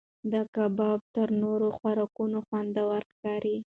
دا کباب تر نورو خوراکونو خوندور ښکاري.